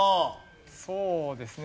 そうですね。